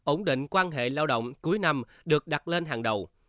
ổn định quan hệ lao động cuối năm được đặt lên hàng đầu